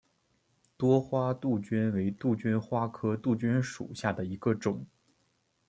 多花杜鹃为杜鹃花科杜鹃属下的一个种。